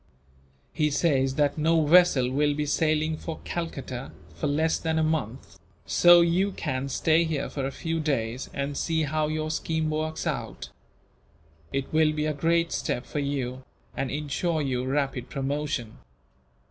"He says that no vessel will be sailing for Calcutta for less than a month, so you can stay here for a few days, and see how your scheme works out. It will be a great step for you, and ensure you rapid promotion."